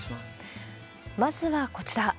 まずはこちら。